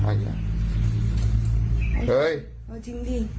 ไม่ได้อนุญาตเลยนะเฮ้ย